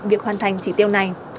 việc hoàn thành chỉ tiêu này